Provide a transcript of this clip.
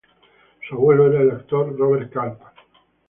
Su abuelo era el actor Robert Culp.